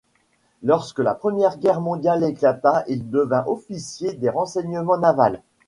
Lorsque la Première Guerre mondiale éclata, il devint officier des renseignements navals.